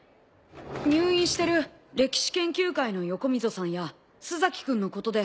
入院してる歴史研究会の横溝さんや須崎君のことで。